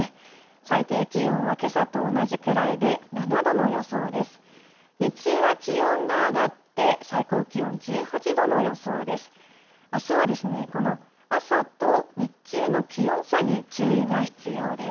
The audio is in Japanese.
最低気温はけさと同じくらいで７度の予想です。